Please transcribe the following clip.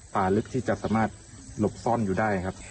ลึกที่จะสามารถหลบซ่อนอยู่ได้ครับ